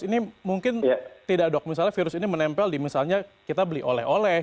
ini mungkin tidak dok misalnya virus ini menempel di misalnya kita beli oleh oleh